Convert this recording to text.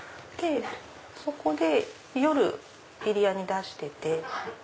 そこで夜ビリヤニ出してて。